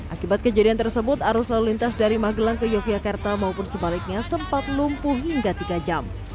akibat kejadian tersebut arus lalu lintas dari magelang ke yogyakarta maupun sebaliknya sempat lumpuh hingga tiga jam